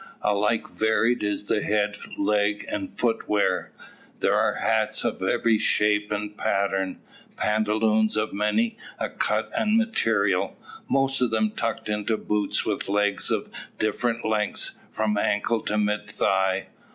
Alike varied is the head, leg, and foot wear. There are hats of every shape and pattern; pantaloons of many a cut and material, most of them tucked into boots with legs of different lengths, from ankle to mid thigh.